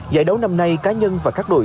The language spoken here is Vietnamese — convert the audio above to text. giải đấu năm nay cá nhân và các đội